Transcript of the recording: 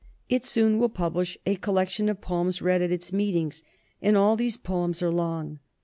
It soon will publish a collection of poems read at its meetings, and all these poems are long.